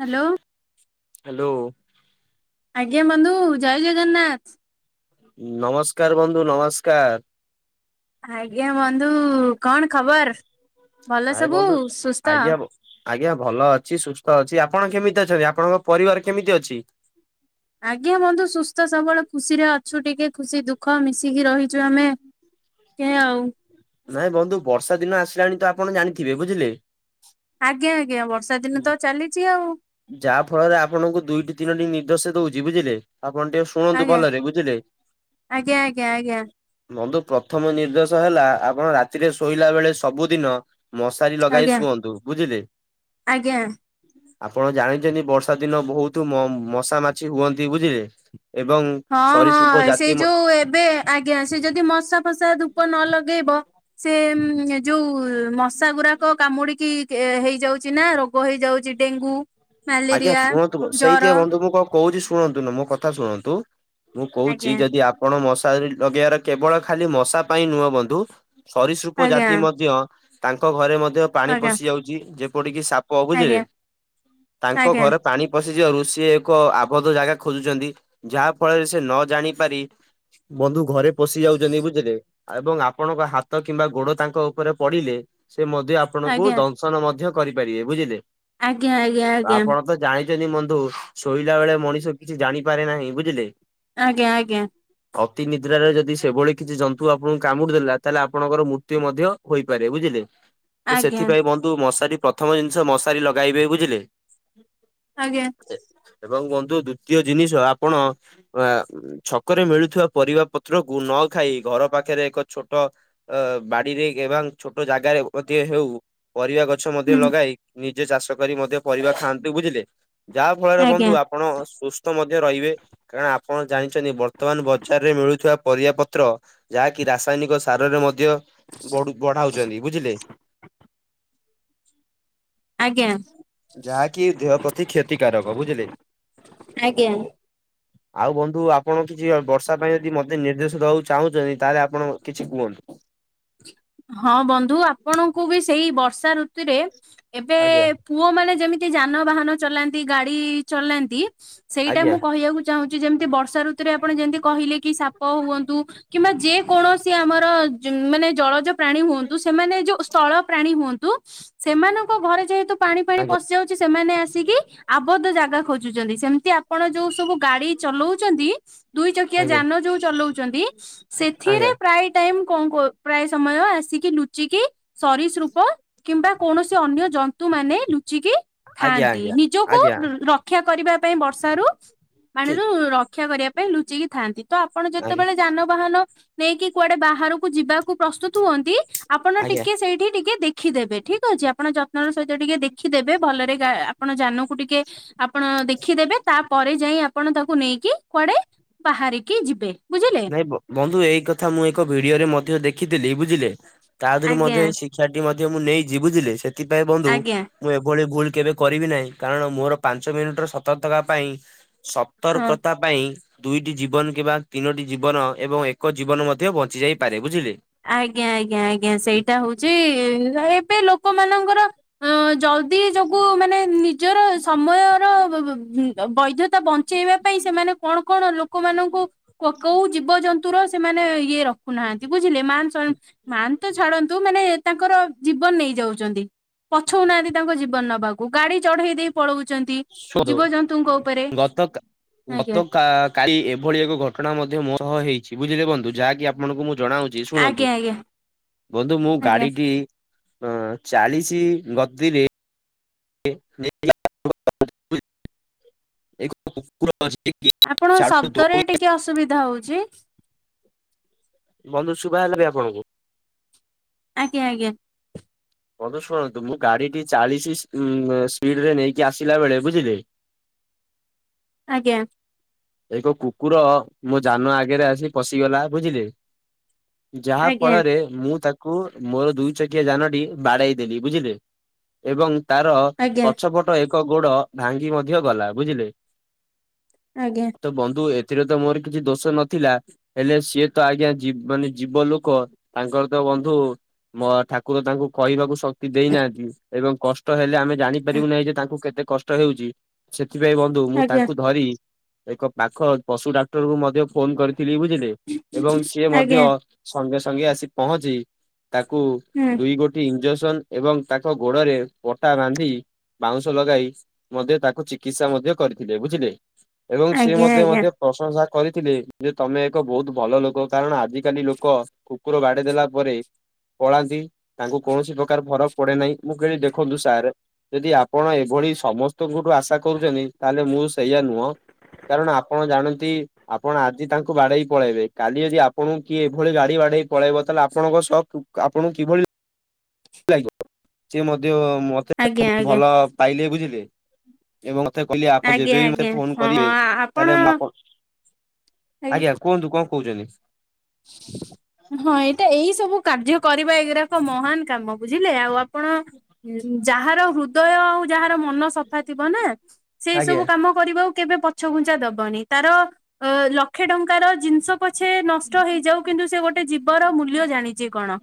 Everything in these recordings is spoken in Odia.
Hello hello. ଆଜ୍ଞା, ବନ୍ଧୁ ଜୟ ଜଗନ୍ନାଥ। ନମସ୍କାର ବନ୍ଧୁ ନମସ୍କାର! ଆଜ୍ଞା, ବନ୍ଧୁ କଣ ଖବର? ଭଲ ଆଏ ସବୁ ବନ୍ଧୁ, ସୁସ୍ଥ ଆଜ୍ଞା! ଆଜ୍ଞା ଭଲ ଅଛି, ସୁସ୍ଥ ଅଛି। ଆପଣ କେମିତି ତି ଅଛନ୍ତି, ଆପଣଙ୍କ ପରିବାର କେମିତି ଅଛି? ଆଜ୍ଞା, ବନ୍ଧୁ ସୁସ୍ଥ ସବଳ ଖୁସିରେ ଅ ଛୁ, ଟିକେ ଖୁସି ଦୁଃଖ ମିଶିକି ରହିଛୁ। ଆମେ କେ ଆଉ। ନାଇଁ ବନ୍ଧୁ, ବର୍ଷା ଦିନ ଆସିଲାଣି ତ ଆପଣ ଜାଣିଥିବେ! ବୁଝିଲେ। ଆଜ୍ଞା ଆଜ୍ଞା, ବର୍ଷା ଦିନ ତ ଚାଲିଛି ଆଉ। ଯାହା ଫଳରେ, ଆପଣଙ୍କୁ ଦୁଇଟି ତିନୋଟି ନିଦ ସେ ଦଉଛି। ବୁଝିଲେ! ଆପଣ ଟିଏ ଶୁଣନ୍ତୁ ଆଜ୍ଞା ଭଲରେ! ବୁଝିଲେ, ଆଜ୍ଞା ଆଜ୍ଞା ଆଜ୍ଞା ବନ୍ଧୁ ପ୍ରଥମ ନିର୍ଦ୍ଦେଶ ହେଲା ଆପଣ ରାତିରେ ଶୋଇଲା ବେଳେ ସବୁଦିନ ମଶାରୀ ଲଗାଇ ଆଜ୍ଞା ଶୁଅନ୍ତୁ। ବୁଝିଲେ! ଆଜ୍ଞା ଆପଣ ଜାଣିଛନ୍ତି, ବର୍ଷା ଦିନ ବହୁତ ମ-ମଶା ମାଛି ହୁଅନ୍ତି। ବୁଝିଲେ! ଏବଂ ହଁ ସରୀସୃପ ହଁ, ଜାତି ସେଇ ଯୋଉ ଏବେ ଆଜ୍ଞା, ସେ ଯଦି ମଶା ମଶା ଧୂପ ନ ଲଗେଇବ! ସେ ଏମ୍ ଯୋଉ ମଶା ଗୁରାକ କାମୁଡିକି କେ ହେଇଯାଉଛି ନା, ରୋଗ ହେଇଯାଉଛି ଡେଙ୍ଗୁ। ଆଜ୍ଞା ମ୍ୟାଲେରିଆ ଶୁଣନ୍ତୁ, ମ ସେଇଥି ଜର ବନ୍ଧୁ ମୁଁ କଣ କହୁଛି ଶୁଣନ୍ତୁ, ନା ମୋ କଥା ଶୁଣନ୍ତୁ। ମୁଁ କହୁଛି, ଆଜ୍ଞା ଯଦି ଆପଣ ମୋ ସହ ତାରି ଲଗେଇଆର କେବଳ ଖାଲି ମଶା ପାଇଁ ନୁହଁ ବନ୍ଧୁ, ସରିସୃପ ଆଜ୍ଞା ଜାତି ମଧ୍ୟ ତାଙ୍କ ଘରେ ମଧ୍ୟ ପାଣି ଆଜ୍ଞା। ପଶି ଯାଉଛି। ଯେପଡ଼ିକି ସାପ, ବୁଝିଲେ! ଆଜ୍ଞା ଆଙ୍କ ଆଜ୍ଞା ଘରେ ପାଣି ପ ପଶିଚିଆଉ, ଋଷି ଏକ ଆବଦ୍ଧ ଜାଗା ଖୋଜୁଛନ୍ତି। ଯାହା ଫଳରେ ସେ ନ ଜାଣି ପାରି ବନ୍ଧୁ ଘରେ ପଶି ଯାଉଚନ୍ତି ବୁଝିଲେ ଏବଂ ଆପଣଙ୍କ ହାତ କିମ୍ବା ଗୋଡ ତାଙ୍କ ଉପରେ ପଡିଲେ ସେ ମଧ୍ୟ ଆପଣଙ୍କୁ ଆଜ୍ଞା ଦଂଶନ ମଧ୍ୟ କରିପାରିବେ ବୁଝିଲେ। ଆଜ୍ଞା ଆଜ୍ଞା ଆଜ୍ଞା। ଯଦି ବନ୍ଧୁ ଶୋଇଲା ବେଳେ ମଣିଷ କିଛି ଜାଣିପାରେ ନାହିଁ ବୁଝିଲେ ଆଜ୍ଞା ଆଜ୍ଞା। ତି ନିଦ୍ରାରେ ଯଦି ସେଭଳି କିଛି ଜନ୍ତୁ ଆପଣଙ୍କୁ କାମୁଡି ଦେଲା ତାହେଲେ ଆପଣଙ୍କର ମୃତ୍ୟୁ ମଧ୍ୟ ହୋଇପାରେ ବୁଝିଲେ। ଆଜ୍ଞା ତ ଆଜ୍ଞା ସେଥିପାଇଁ ବନ୍ଧୁ ମଶାରୀ ପ୍ରଥମ ଜିନିଷ ମଶାରୀ ଲଗେଇବେ ବୁଝିଲେ ଆଜ୍ଞା। ଏବଂ ବନ୍ଧୁ ଦ୍ଵିତୀୟ ଜିନିଷ ଆପଣ ଆ ଛକରେ ମିଳୁଥିବା ପରିବା ପତ୍ରକୁ ନ ନଖାଇ ଘର ପାଖରେ ଏକ ଛୋଟ ଅ ବାଡିରେ ଏବାଂ ଛୋଟ ଜାଗାରେ ମଧ୍ୟ ହେଉ ପରିବା ଗଛ ମଧ୍ୟ ହୁଁ ଲଗାଇ ନିଜେ ଚାଷ କରି ମଧ୍ୟ ପରିବା ଖାଆନ୍ତୁ ବୁଝିଲେ ଯାହା ଫଳରେ ଆଜ୍ଞା ବନ୍ଧୁ ଆପଣ ସୁସ୍ଥ ମଧ୍ୟ ରହିବେ। କାରଣ ଆପଣ ଜାଣି ଛନ୍ତି ବର୍ତ୍ତମାନ ବଜାରରେ ମିଳୁଥିବା ପରିବା ପତ୍ର ଯାହାକି ରାସାୟନିକ ସାରରେ ମ ଧ୍ୟ ବଢୁ ବଢାଉଚନ୍ତି ବୁଝିଲେ? ଆଜ୍ଞା। ଯାହାକି ଦେହ ପ୍ରତି କ୍ଷତିକାରକ ବୁଝିଲେ? ଆଜ୍ଞା। ଆଉ ବନ୍ଧୁ ଆପଣ କିଛି ବର୍ଷା ପାଇଁ ଯଦି ମତେ ନିର୍ଦ୍ଦେଶ ଦେବାକୁ ଚାହୁଁଚନ୍ତି ତାହେଲେ ଆପଣ କିଛି କୁହନ୍ତୁ। ହଁ ବନ୍ଧୁ ଆପଣଙ୍କୁ ବି ସେଇ ବର୍ଷା ଋତୁରେ ଏବେ ଆଜ୍ଞା ପୁଅ ମାନେ ଯେମିତି ଯାନବାହାନ ଚଲାନ୍ତି ଗାଡି ଚଲାନ୍ତି। ସେଇଟା ଆଜ୍ଞା ମୁଁ କହିବାକୁ ଚାହୁଁଚି ଯେମ ତି ବର୍ଷା ଋତୁରେ ଆପଣ ଯେମିତି କହିଲେ କି ସାପ ହୁଅନ୍ତୁ କିମ୍ବା ଯେ କୌଣସି ଆମର ଜୁ ମାନେ ଜଳଜ ପ୍ରାଣୀ ହୁଅନ୍ତୁ ସେମାନେ ଯୋଉ ସ୍ଥଳ ପ୍ରାଣୀ ହୁଅନ୍ତୁ ସେମାନଙ୍କ ଘରେ ଯେହେତୁ ପାଣି ଫାଣି ଆଜ୍ଞା ପଶିଯାଉଚି ସେମାନେ ଆସିକି ଆବଦ୍ଧ ଜାଗା ଖୋଜୁଚନ୍ତି। ସେମିତି ଆପଣ ଯୋଉ ସବୁ ଗାଡି ଚଲୋଉଚନ୍ତି ଦୁଇ ଚକିଆ ଆଜ୍ଞା ଯାନ ଯୋଉ ଚଲୋଉଚନ୍ତି ସେଥିରେ ଆଜ୍ଞା ପ୍ରାୟେ ଟାଇମ୍ କଣ ପ୍ରାୟ ସମୟ ଆସିକି ଲୁଚିକି ସରିସୃପ କିମ୍ବା କୌଣସି ଅନ୍ୟ ଜନ୍ତୁ ମାନେ ଲୁଚିକି ଆଜ୍ଞା ଥାଆନ୍ତି। ଆଜ୍ଞା ନିଜକୁ ଆଜ୍ଞା ର-ର ରକ୍ଷା କରିବା ପାଇଁ ବର୍ଷାରୁ ପାଣିରୁ ଠିକ୍ ରକ୍ଷା କରିବା ପାଇଁ ଲୁଚିକି ଥାନ୍ତି ତ ଆପଣ ଆଜ୍ଞା ଯେତେବେଳେ ଯାନବାହାନ ନେଇକି କୁଆଡେ ବାହାରକୁ ଯିବାକୁ ପ୍ରସ୍ତୁତ ହୁଅନ୍ତି ଆପଣ ଆଜ୍ଞା ଟିକେ ସେଇଠି ଟିକେ ଦେ ଦେଖିଦେବେ ଠିକ ଅଛି। ଆପଣ ଯତ୍ନ ର ସହିତ ଟିକେ ଦେଖିଦେବେ ଭଲରେ ଗା ଆପଣ ଯାନକୁ ଟିକେ ଆପଣ ହଁ ଦେଖିଦେବେ ତାପରେ ଯାଇ ଆପଣ ତାକୁ ନେଇକି କୁଆଡେ ବାହାରିକି ଯିବେ। ବୁଝିଲେ ନାଇଁ ବ ବନ୍ଧୁ ଏଇ କଥା ମୁଁ ଏକ ଭିଡିଓରେ ମଧ୍ୟ ଦେଖିଥିଲି ବୁଝିଲେ ତା ଧିରୁ ଆଜ୍ଞା ମଧ୍ୟ ଏହିଁ ଶିକ୍ଷା ଟି ମଧ୍ୟ ମୁଁ ନେଇଚି ବୁଝିଲି ସେଥିପାଇଁ ବନ୍ଧୁ ଆଜ୍ଞା ମୁଁ ଏଭଳି ଭୁଲ କେବେ କରିବି ନାହିଁ। କାରଣ ମୋର ପାଞ୍ଚ ମିନିଟର ସତରର୍ତକା ପାଇଁ ସତର୍କତା ପାଇଁ ହଁ ସତର୍କତା ପାଇଁ ଦୁଇଟି ଜୀବନ କିମ୍ବା ତିନୋଟି ଜୀବନ ଏବଂ ଏକ ଜୀବନ ମଧ୍ୟ ବଞ୍ଚି ଯାଇପାରେ ବୁଝିଲେ ଆଜ୍ଞା ଆଜ୍ଞା ଆଜ୍ଞା ସେଇଟା ହୋଉଚି ଇଁ ଏ ଏବେ ଲୋକମାନଙ୍କର ଅ ଜଲଦି ଯୋଗୁ ମାନେ ନିଜର ସମୟର ବ-ବ-ବ ବୈଧତା ବଞ୍ଚେଇବା ପାଇଁ ସେମାନେ କଣ କଣ ଲୋକମାନଙ୍କୁ କୋ-କୋଉ ଜୀବଜ ନ୍ତୁ ସେମାନେ ଇଏ ରଖୁନାହାନ୍ତି ବୁଝ ବୁଝିଲ ମାନ ତ ଛାଡନ୍ତୁ ମାନେ ତାଙ୍କର ଜୀବନ ନେଇ ଯାଉଚନ୍ତି। ପଛୋଉନାହାନ୍ତି ତାଙ୍କ ଜୀବନ ନବାକୁ ଗାଡି ଚଢେଇ ଦେଇ ପଳାଉ ସୁଦୁ ଗତ କା ଆଜ୍ଞା ଗତ କା କାଳୀ ଏଭଳି ଏକ ଘଟଣା ମଧ୍ୟ ମୋ ସହ ହେଇଚି ବୁଝିଲେ ବନ୍ଧୁ ଯାହାକି ଆ ଆପଣଙ୍କୁ ମୁଁ ଜଣାଉଚି ଶୁଣନ୍ତୁ ଆଜ୍ଞା ଆଜ୍ଞା ବନ୍ଧୁ ମୁଁ ଆଜ୍ଞା ଗାଡିଟି ହଁ ଚାଳିଶି ଗତିରେ [unintelligible] ଏକ କୁକୁର ଅଛି କି ଆପଣଙ୍କ ସିଆଡୁ ଶବ୍ଦରେ ଦୌଡି ଟିକେ ଅସୁବିଧା ହୋଉଚି। ବନ୍ଧୁ ଶୁଭା ହେଲା ବି ଆପଣଙ୍କୁ? ଆଜ୍ଞା ଆଜ୍ଞା। ବନ୍ଧୁ ଶୁଣନ୍ତୁ ମୁଁ ଗାଡିଟି ଚାଳିଶ ସ୍ପି ଇମ୍ ସ୍ପିଡରେ ନେଇକି ଆସିଲା ବେଳେ ବୁଝିଲେ ଆଜ୍ଞା। ଏକ କୁକୁର ମୋ ଯାନ ଆଗରେ ଆସି ପଶିଗଲା ବୁଝିଲେ। ଯାହା ଆଜ୍ଞା ଫଳରେ ମୁଁ ତାକ କୁ ମୋର ଦୁଇ ଚକିଆ ଯାନଟି ବାଡେଇ ଦେଲି। ବୁଝିଲେ ଏବଂ ତାର ଆଜ୍ଞା ପଛପଟ ଏକ ଗୋଡ଼ ଭାଙ୍ଗି ମଧ୍ୟ ଗଲା ବୁଝିଲେ। ଆଜ୍ଞା ତ ବନ୍ଧୁ ଏ ଏଥିରେ ତ ମୋର କିଛି ଦୋଷ ନଥିଲା ହେଲେ ସିଏ ତ ଆଜ୍ଞା ଜୀ ମାନେ ଜୀବ ଲୋକ ତାଙ୍କର ତ ବନ୍ଧୁ ମୋ ଠାକୁର ତାଙ୍କୁ କହିବାକୁ ଶ କ୍ତି ଦେଇନାହାନ୍ତି ଏବଂ କଷ୍ଟ ହେଲେ ଆମେ ଜାଣିପାରିବୁ ନାହିଁ ଯେ ତାଙ୍କୁ କେତେ କଷ୍ଟ ହେଉଚି। ସେ ଥିପାଇଁ ବନ୍ଧୁ ମୁଁ ଆଜ୍ଞା ତାଙ୍କୁ ଧରି ଏକ ପାଖ ପଶୁ ଡାକ୍ଟର କୁ ମଧ୍ୟ ଫୋନ୍ କରି ଥିଲି ବୁଝିଲେ ଏବଂ ସିଏ ମଧ୍ୟ ଆଜ୍ଞା ସଙ୍ଗେ ସଙ୍ଗେ ଆସି ପହଞ୍ଚି ତାକୁ ହୁଁ ଦୁଇ ଗୋଟି ଇଞ୍ଜେକ୍ସନ୍ ଏବଂ ତାଙ୍କ ଗୋଡରେ ପଟା ବାନ୍ଧି ବାଉଁଶ ଲଗାଇ ମଧ୍ୟ ତାକୁ ଚିକିତ୍ସା ମଧ୍ୟ କରିଥିଲେ ବୁଝିଲେ। ଏବଂ ସିଏ ଆଜ୍ଞା ମୋତେ ଆଜ୍ଞା ମଧ୍ୟ ପ୍ରଶଂସା କରିଥିଲେ ଯେ ତୋମେ ଏକ ବହୁତ ଭଲ ଲୋକ। କାରଣ ଆଜିିକାଲି ଲୋକ କୁକୁର ବାଡ ଦେଲା ପରେ ପଳାନ୍ତି ତାଙ୍କୁ କୌଣସି ପ୍ରକାର ଫରକ୍ ପଡେ ନାହିଁ। ମୁଁ କହିଲି ଦେଖନ୍ତୁ ସାର୍ ଯଦି ଆପଣ ଏଭ ଭଳି ସମସ୍ତଙ୍କଠୁ ଆଶା କରୁଚନ୍ତି ତାହେଲେ ମୁଁ ସେଇଆ ନୁହଁ। କାରଣ ଆପଣ ଜାଣନ୍ତି ଆପଣ ଆଜି ତାଙ୍କୁ ବାଡେଇ ପଳେଇବେ। କାଲି ଯଦି ଆପଣଙ୍କୁ କିଏ ଏଭଳି ବା ଗାଡି ବାଢେଇ ପଳେଇବ ତାହେଲେ ଆପଣଙ୍କ ସ କୁ-ଆପଣଙ୍କୁ କିଭଳି ଲାଗିବ। ସିଏ ମଧ୍ୟ ମୋତେ ଆଜ୍ଞା ବହୁତ ଭଲ ପାଇଲେ। ବୁଝିଲେ, ଏବଂ ସେ କହିଲେ ଆପଣ ଆଜ୍ଞା ଆଜ୍ଞା ଯେବେବି ମୋତେ ଆଜ୍ଞା ଫୋନ୍ ହଁ କରିବେ ତାହେଲେ ମୁଁ ଆପଣ, ଆଜ୍ଞା କୁହନ୍ତୁ କଣ କହୁଚନ୍ତିି। ହଁ ଏଇଟା ଏଇ ସବୁ କାର୍ଯ୍ୟ କରିବା ଏଗୁଡାକ ମହାନ କାମ। ବୁଝି ଝିଲେ ଆଉ ଆପଣ ଇ, ଯାହାର ହୃଦୟ ଆଉ ଯାହା ତା ମନ ସଫା ଥିବ ନା ସେଇ ଆଜ୍ଞା ସବୁ କାମ କରିବାକୁ କେବେ ପ ଛଘୁଞ୍ଚା ଦବନି। ତାର ଅ, ଲକ୍ଷେ ଟଙ୍କାର ଜିନିଷ ପଛେ ଟ ହେଇଯାଉ କିନ୍ତୁ ସେ ଗୋଟେ ଜୀବର ମୂଲ୍ୟ ଜାଣିଚି କଣ।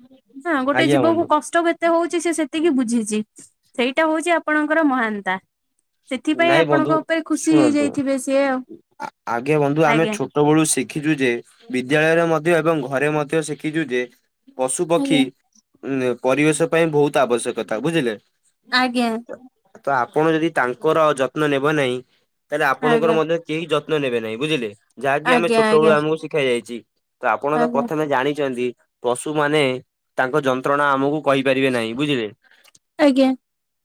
ହଁ ଗୋଟେ ଆଜ୍ଞା ଜୀବକୁ ବନ୍ଧୁ କଷ୍ଟ କେତେ ହଉଚି ସିଏ ସେତିକି ବୁଝିଚି। ସେଇଟା ହଉଛି ଆପଣଙ୍କର ମହନତା। ନାଇଁ ବନ୍ଧୁ ଶୁଣନ୍ତୁ। ହେଇଯାଇଥିବେ ସିଏ ଆଉ। ଆ, ଆଜ୍ଞା ବନ୍ଧୁ ଆମେ ଆଜ୍ଞା ଛୋଟ ବଳୁ ଶିଖିଛୁ ଯେ ବି ଦ୍ୟାଳୟରେ ମଧ୍ୟ ଏବଂ ଘରେ ମଧ୍ୟ ଶିଖିଛୁ ଯେ ପଶୁପକ୍ଷୀ ଉଁ, ଏ ପରିବେଶ ପାଇଁ ବହୁତ ଆବଶ୍ୟକତା ବୁଝିଲେ। ଆଜ୍ଞା। ତ ଆପଣ ଯଦି ତାଙ୍କର ଯତ୍ନ ନେବ ନାହିଁ। ତାହେଲେ ଆଜ୍ଞା ଆପଣଙ୍କର ମଧ୍ୟ କେହି ଯତ୍ ନ ନେବେ ନାହିଁ। ବୁଝିଲେ, ଯାହାକି ଆମେ ଆଜ୍ଞା ଆଜ୍ଞା ଛୋଟ ବଳୁ ଆଜ୍ଞା ଆମକୁ ଶିଖା ଯାଇଚି। ତ ଆପଣ ତ ଆଜ୍ଞା ପ୍ରଥମେ ଜାଣିଚନ୍ତି ପଶୁମାନେ ତାଙ୍କ ଯନ୍ତ୍ରଣା ଆମକୁ କହିପାରିବେ ନାହିଁ ବୁଝିଲେ। ଆଜ୍ଞା।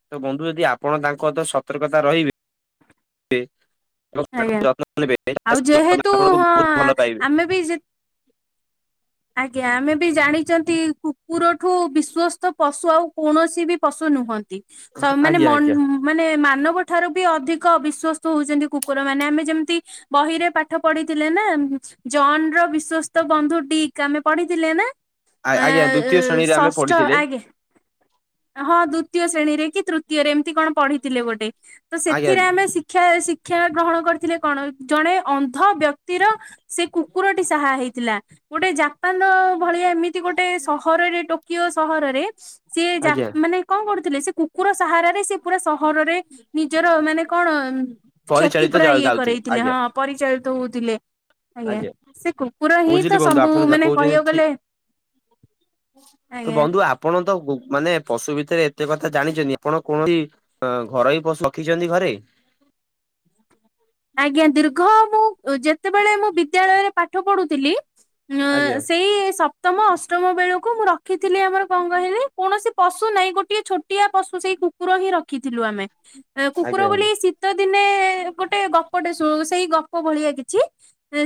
ତ ବନ୍ଧୁ ଯଦି ଆପଣ ତାଙ୍କ ତ ସ ସତର୍କତା ରହିବେ। ଏବଂ ତା ଆଜ୍ଞା। ଯତ୍ନ ନେବେ [inaudible] ଆଉ ଯେହେତୁ ଆପଣଙ୍କୁ ହଁ ବହୁତ ଭଲ ପାଇବେ। ଆମେ ବି ଯେ ଆଜ୍ଞା ଆମେ ବି ଜାଣିଚନ୍ତି କୁକୁରଠୁ ବିଶ୍ଵସ୍ତ ପଶୁ ଆଉ କୌଣସି ବି ପଶୁ ନୁହନ୍ତି। ସ ମାନେ ଆଜ୍ଞା ଆଜ୍ଞା ମନ ମାନେ ମାନବ ଠାରୁ ବି ଅଧିକ ବିଶ୍ଵସ ତ ଯେମିତି କୁକୁର ମାନେ ଆମେ ଯେମିତି ବହିରେ ପାଠ ପଢିଥିଲେ ନା ଜନ୍ ର ବିଶ୍ବସ୍ତ ବନ୍ଧୁ ଡିକ୍ ଆମେ ପଢିଥିଲେ ନା। ଏ, ଆଜ୍ଞା ଦ୍ଵିତୀୟ ଅ, ଶ୍ରେଣୀରେ ଆମେ ଷଷ୍ଠ ପଢିଥିଲେ ଆଜ୍ଞା ହଁ ଦ୍ଵିତୀୟ ଶ୍ରେଣୀରେ କି ତୃତ ତୀୟରେ ଏମିତି କଣ ପଢିଥିଲେ ଗୋଟେ ତ ଆଜ୍ଞା ସେଥିରେ ଆମେ ଶିକ୍ଷା ଶିକ୍ଷା ଗ୍ରହଣ କରିଥିଲେ କଣ ଜଣେ ଅନ୍ଧ ବ୍ୟକ୍ତିର ସେ କୁକୁରଟି ସାହା ହେଇଥିଲା। ଗୋଟେ ଜା ପାନ ଭଳିଆ ଏମିତି ଗୋଟେ ସହରରେ ଟୋକିଓ ସହରରେ ସିଏ ଜା ଆଜ୍ଞା ମାନେ କଣ କରୁଥିଲେ ସେ କୁକୁର ସାହାରାରେ ସେ ପୁରା ସହରରେ ନିଜର ମାନେ କଣ କ୍ଷତି ପରିଚାଳିତ ପୁରା ଇଏ ଯାଉଥିଲେ କରେଇଥିଲେ। ଆଜ୍ଞା ହଁ ପରିଚୟ ଉଥିଲେ ଆଜ୍ଞା ସେ କୁକୁର ହିଁ ବୁଝିଲି ତ ବନ୍ଧୁ ସବୁ ଆପଣ ଯାହା ମାନେ କହୁଛନ୍ତି କହିବାକୁ ଠିକ ଗଲେ ତ ଆଜ୍ଞା ବନ୍ଧୁ ଆପଣ ତ ଗୁ ମାନେ ପଶୁ ଭିତରେ ଏତେ କଥା ଜାଣିଛନ୍ତି, ଆପଣ କୌଣସି ଘରୋଇ ପଶୁ ରଖିଛନ୍ତି ଘରେ? [inaudible] ଆଜ୍ଞା ଦୀର୍ଘ ମୁଁ ଯେତେବେଳେ ମୁଁ ବିଦ୍ୟାଳୟରେ ପାଠ ପଢୁଥିଲି। ଉଁ ଆଜ୍ଞା ସେଇ ସପ୍ତମ ଅଷ୍ଟମ ବେଳକୁ ମୁଁ ରଖିଥିଲି ଆମର କଣ କହିଲେ କୌଣସି ପଶୁ ନାଇ ଗୋଟିଏ ଛୋଟିଆ ପଶୁ ସେଇ କୁକୁର ହିଁ ରଖିଥିଲୁ ଆମେ। ଆଜ୍ଞା କୁକୁର ବୋଲି ଆଜ୍ଞା ଶୀତ ଦିନେ ଗୋଟେ ଗପଟେ ଶୁଣିବୁ ସେଇ ଗପ ଭଳିଆ କିଛି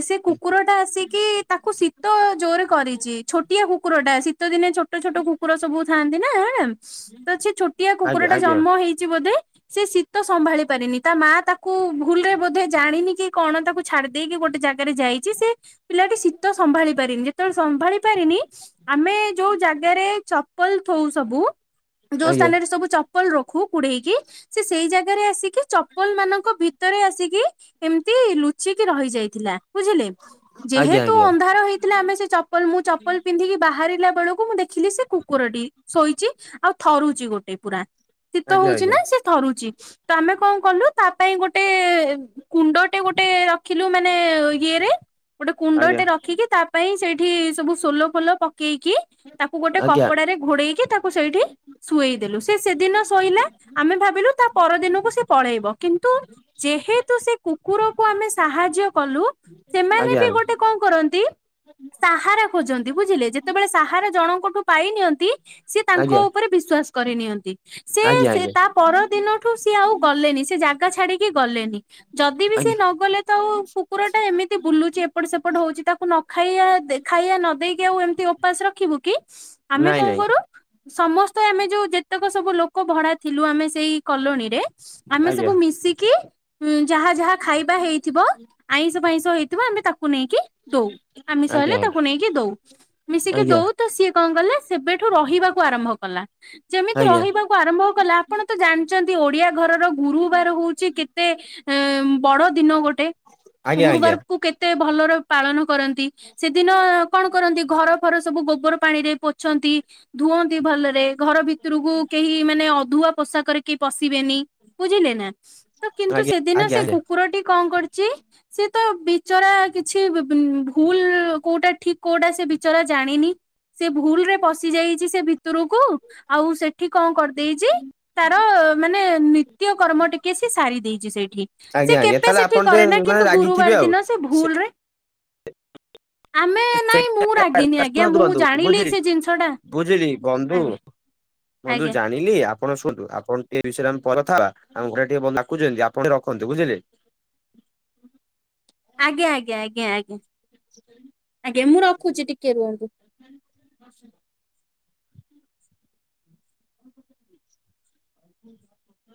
ସେ କୁକୁର ଟା ଆସିକି ତାକୁ ଶୀତ ଜୋରେ କରିଛି ଛୋଟିଆ କୁକୁର ଟା ଶୀତ ଦିନେ ଛୋଟ ଛୋଟ କୁକୁର ସବୁ ଥାଆନ୍ତି ନା, [unintelligible] ତ ସେ ଛୋଟିଆ କୁକୁର ଟା ଆଜ୍ଞା ଜନ୍ମ ହେଇଛି ବୋଧେ। ସେ ଶୀତ ସମ୍ଭାଳି ପାରିନି ତା ମାଆ ତାକୁ ଭୁଲ୍ ରେ ବୋଧେ ଜାଣିନି କି କଣ ତାକୁ ଛାଡି ଦେଇକି ଗୋଟେ ଜାଗାରେ ଯାଇଛି ସେ ପିଲାଟି ଶୀତ ସମ୍ଭାଳି ପାରିନି, ଯେତେବେଳେ ସମ୍ଭାଳି ପାରିନି ଆମେ ଯୋଉ ଜାଗାରେ ଚପଲ ଥଉ ସବୁ ଯୋଉ ଆଜ୍ଞା ସ୍ଥାନରେ ସବୁ ଚ ଚପଲ ରଖୁ କୁଡେଇକି ସେ ସେଇ ଜାଗାରେ ଆସିକି ଚପଲ ମାନଙ୍କ ଭି ଭିତରେ ଆସିକି ଏମତି ଲୁଚିକି ରହି ଯାଇଥିଲା ବୁଝିଲେ। ଆଜ୍ଞା ଆଜ୍ଞା ଆଜ୍ଞା ଯେହେତୁ ଅନ୍ଧାର ହେଇଥିଲା ଆମେ ସେ ଚପଲ ମୁଁ ଚପଲ ପିନ୍ଧିକି ବାହାରିଲା ବେଳକୁ ମୁଁ ଦେଖିଲି ସେ କୁକୁର ଟି ଶୋଇଛି ଆଉ ଥରୁଛି ଗୋଟେ ପୁରା। ଶୀତ ହଉଛି ଆଜ୍ଞା ନା ସେ ଥରୁଛି ତ ଆମେ କଣ କଲୁ ତା ପାଇଁ ଗୋଟେ ଟେ କୁଣ୍ଡଟେ ଗୋଟେ ରଖିଲୁ ମାନେ ଇଏରେ ଗୋଟେ କୁଣ୍ଡଟେ ରଖିକି ତା ପାଇଁ ସେଇଠି ସବୁ ସୋଲ ଫୋଲ ପକେଇକି ତାକୁ ଗୋଟେ ଆଜ୍ଞା ଆଜ୍ଞା ଆଜ୍ଞା କପଡ଼ାରେ ଘୋଡେଇକି ତାକୁ ସେଇଠି ଶୁଆଇଦେଲୁ ସେ ସେଦିନ ଶୋଇଲା ଆମେ ଭାବିଲୁ ତା ପରଦିନକୁ ସେ ପଳେଇବ କିନ୍ତୁ ଯେହେତୁ ସେ କୁକୁରକୁ ଆମେ ସାହାଯ୍ୟ କଲୁ ସେମାନେ ବି ଗୋଟେ କଣ କରନ୍ତି ସାହାରା ଖୋଜନ୍ତି ବୁଝିଲେ ଯେତେବେଳେ ସାହାରା ଜଣଙ୍କଠୁ ପାଇନିଅନ୍ତି। ସିଏ ଆଜ୍ଞା ତାଙ୍କ ଉପରେ ବିଶ୍ୱାସ୍ କରି ନିିଅନ୍ତି। ସେ ଆଜ୍ଞା ଆଜ୍ଞା ସେ ତା ପର ଦିନଠୁ ସିଏ ଆଉ ଗଲେନି ସେ, ଜାଗା ଛାଡିକି ଗଲେନି ଯଦି ବି ସେ ଆଜ୍ଞା ନ ଗଲେ ଆଉ କୁକୁର ଟା ଏମିତି ବୁଲୁଛି ଏପଟ ସେପଟ ହଉଛି ତାକୁ ନ ଖାଇଆ ଖାଇଆ ନ ଦେଇେଇକି ଆଉ ଏମତି ଉପାସ ରଖିବୁ କି? ଆମେ ନାଇଁ କଣ ନାଇଁ କରୁ ସମସ୍ତେ ଆମେ ଯୋଉ ଯେତେକ ସବୁ ଲୋକ ଭଡା ଥିଲୁ ଆମେ ସେଇ କଲୋଣୀରେ ଆମେ ଆଜ୍ଞା ସବୁ ମିଶିକି [inaudible] ଯାହା ଯାହା ଖାଇବା ହେଇଥିବ ଆଇଁଷଫାଇଁସ ହେଇଥିବ ଆମେ ତାକୁ ନେଇକି ଦଉ। ଆମିଶ ଆଜ୍ଞା ଆଜ୍ଞା ହେଲେ ତାକୁ ନେଇକି ଦଉ ମିଶିକି ଦଉ ତ ସିଏ କଣ କଲେ ସେବେଠୁ ରହିବାକୁ ଆରମ୍ଭ କଲା। ଯେମିତି ଆଜ୍ଞା ଆଜ୍ଞା ରହିବାକୁ ଆରମ୍ଭ କଲା ଆପଣ ତ ଜାଣିଛନ୍ତି ଓଡିଆ ଘରର ଗୁରୁବାର ହଉଛି [unintelligible] ବଡ ଦିନ ଗୋଟେ ଆଜ୍ଞା ଆଜ୍ଞା ଗୁରୁବାରକୁ କେତେ ଭଲରେ ପାଳନ କରନ୍ତି। ସେଦିନ କଣ କରନ୍ତି ଘର ଘର ସବୁ ଗୋବର ପାଣିରେ ପୋଛନ୍ତି, ଧୁଅନ୍ତି ଭଲରେ ଘର ଭିତରକୁ କେହି ମାନେ ଅଧି ଅଧୁଆ ପୋଷାକରେ କେହି ପଶିବେନି ବୁଝିଲେ ନା। ତ କିନ୍ତୁ ଆଜ୍ଞା ସେଦିନ ଆଜ୍ଞା ସେ ଆଜ୍ଞା କୁକୁରଟି କଣ କରିଛି ସିଏ ତୋ ବିଚରା କିଛି ବି ବି ଭୁଲ କୋଉଟା ଠିକ କୋଉଟା ସେ ବିଚରା ଜାଣିନି। ସେ ଭୁଲ ରେ ପଶି ଯାଇଛି ସେ ଭିତରକୁ ଆଉ ସେଠି ଏଠି କଣ କରିଦେଇଛି ତାର ମାନେ ନିତ୍ୟ କର୍ମ ଟିକେ ସେ ସାରି ଦେଇଛି ସେଇଠି, ସେ ଆଜ୍ଞା ଆଜ୍ଞା କେବେ ତାହେଲେ ସେଠି ଆପଣ ଟିକେ କରେ ନା ମାନେ କିନ୍ତୁ ରାଗିଥିବେ ଗୁରୁବାର ଆଉ। ଦିନ ସେ ଭୁଲ ରେ ଆମେ ନାଇଁ ମୁଁ ରାଗିନି [unintelligible] ଆଜ୍ଞା ଶୁଣନ୍ତୁ ମୁଁ ବନ୍ଧୁ ଜାଣିଲି ବୁଝିଲି, ସେ ଜିନିଷ ଟା ବୁଝିଲି ବନ୍ଧୁ। ବନ୍ଧୁ ଆଜ୍ଞା ଜାଣିଲି ଆପ ଆପଣ ଶୁଣନ୍ତୁ, ଆପଣ ଏ ବିଷୟରେ ଆମେ ପରେ କଥାହେବା। ଆମ ଘରେ ଟିକେ ଡାକୁଛନ୍ତି ଆପଣ ଟିକେ ରଖନ୍ତୁ ବୁଝିଲେ। ଆଜ୍ଞା, ଆଜ୍ଞା, ଆଜ୍ଞା, ଆଜ୍ଞା। ଆଜ୍ଞା ମୁଁ ରଖୁଛି ଟିକେ ରୁହନ୍ତୁ। [unintelligible]